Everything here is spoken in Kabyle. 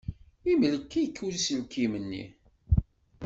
Imlek-ik uselkim-nni.